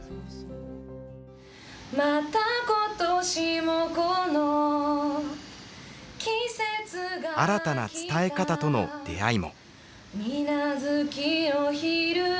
また今年もこの季節がきた新たな伝え方との出会いも。